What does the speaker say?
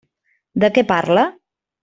De què parla?